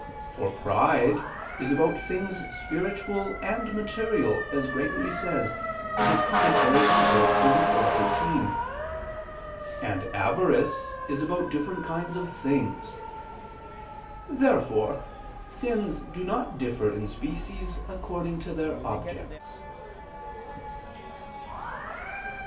For pride is about things spiritual and material as Gregory says (Moral. xxxiv, 18); and avarice is about different kinds of things. Therefore sins do not differ in species according to their objects.